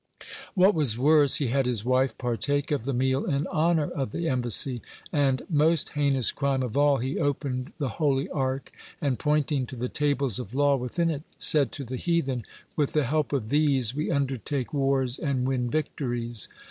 What was worse, he had his wife partake of the meal in honor of the embassy, and, most heinous crime of all, (84) he opened the holy Ark, and pointing to the tables of law within it, said to the heathen: "With the help of these we undertake wars and win victories."